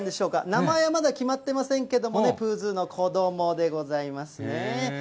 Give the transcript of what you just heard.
名前はまだ決まってませんけどもね、プーズーの子どもでございますね。